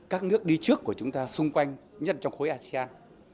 các nước đi trước của chúng ta xung quanh nhất trong khối asean